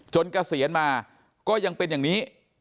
เกษียณมาก็ยังเป็นอย่างนี้